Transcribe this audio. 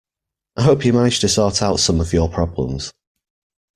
I hope you managed to sort out some of your problems.